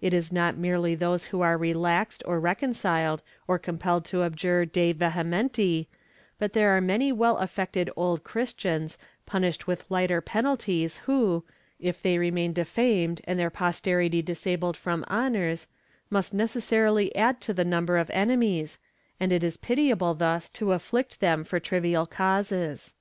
It is not merely those who are relaxed or reconciled or compelled to abjure de vehementi, but there are many well affected Old Christians, punished with lighter penal ties who, if they remain defamed and their posterity disabled from honors, must necessarily add to the number of enemies and it is pitiable thus to afflict them for trivial causes.